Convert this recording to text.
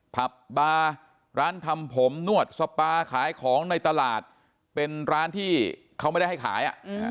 ผับบาร์ร้านทำผมนวดสปาขายของในตลาดเป็นร้านที่เขาไม่ได้ให้ขาย